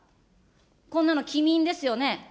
こんなの棄民ですよね。